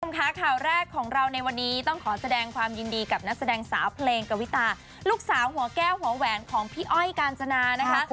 ค่ะข่าวแรกของเราในวันนี้ต้องขอแสดงความยินดีกับนักแสดงสาวเพลงกวิตาลูกสาวหัวแก้วหัวแหวนของพี่อ้อยกาญจนานะคะ